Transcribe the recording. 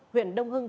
huyện đông hưng